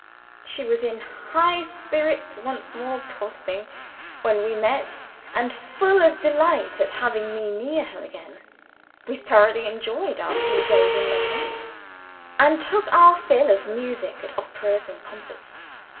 She was in high spirits once more, poor thing, when we met and full of delight at having me near her again. We thoroughly enjoyed our few days in London and took our fill of music at operas and concerts.